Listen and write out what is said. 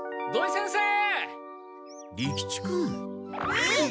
えっ！